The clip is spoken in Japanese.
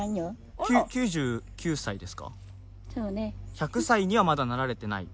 １００歳にはまだなられてない？